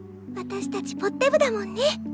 私たちぽって部だもんね。